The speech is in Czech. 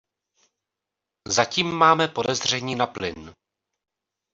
Zatím máme podezření na plyn.